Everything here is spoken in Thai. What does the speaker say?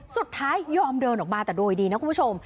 สุดท้ายยอมเดินออกมาแต่โดยดีนะคุณผู้ชม